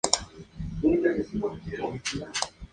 Esta vez la canción fue en ucraniano.